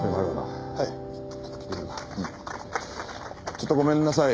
ちょっとごめんなさい。